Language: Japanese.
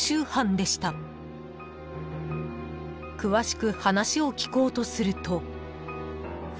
［詳しく話を聞こうとすると］